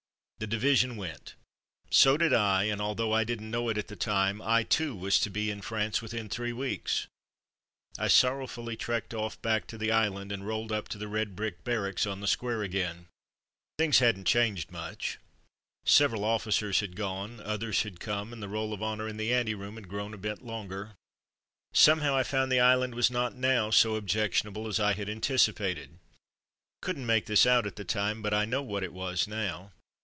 The division went. So did I, and although I didn't know it at the time, I, too, was to be in France within three weeks. I sorrowfully trekked off back to the island, and rolled up to the red brick barracks on the square again. Things hadn't changed much. Several officers had gone, others had come, and the 74 From Mud to Mufti Roll of Honour in the ante room had grown a bit longer. Somehow I found the island was not now so objectionable as I had antici pated. Couldn't make this out at the time, but I know what it was now.